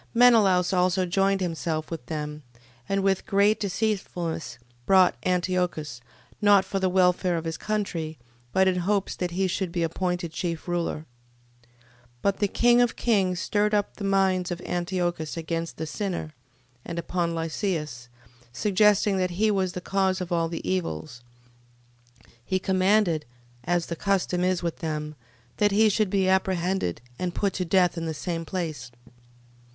13:3. Menelaus also joined himself with them: and with great deceitfulness besought Antiochus, not for the welfare of his country, but in hopes that he should be appointed chief ruler. 13:4. But the King of kings stirred up the mind of Antiochus against the sinner, and upon Lysias suggesting that he was the cause of all the evils, he commanded (as the custom is with them) that he should be apprehended and put to death in the same place.